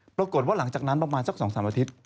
ปรากฏว่าหลังจากนั้นประมาณสัก๒๓อาทิตย์